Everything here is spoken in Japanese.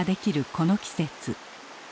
この季節。